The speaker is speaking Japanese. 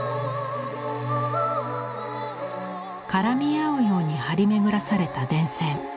絡み合うように張り巡らされた電線。